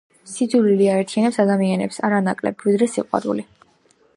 სიძულვილი აერთიანებს ადამიანებს არანაკლებ, ვიდრე სიყვარული.